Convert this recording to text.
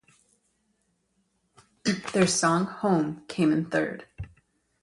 Their song "Home" came in third.